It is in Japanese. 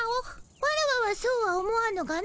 ワラワはそうは思わぬがの。